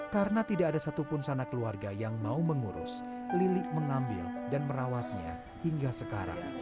karena tidak ada satupun sana keluarga yang mau mengurus lili mengambil dan merawatnya hingga sekarang